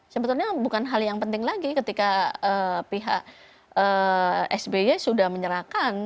sebetulnya bukan hal yang penting lagi ketika pihak sby sudah menyerahkan